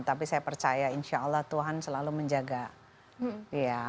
tapi saya percaya insya allah tuhan selalu menjaga dia